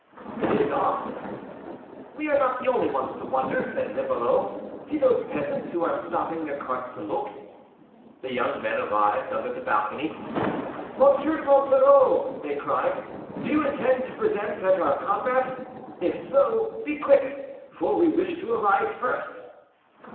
"It is odd." "We are not the only ones to wonder," said Livarot, "see those peasants, who are stopping their carts to look." The young men arrived under the balcony. "M. de Monsoreau," they cried, "do you intend to be present at our combat? if so, be quick, for we wish to arrive first."